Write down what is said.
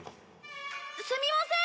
すみません！